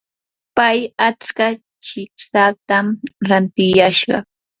pay atska chipsatam rantiyashqa.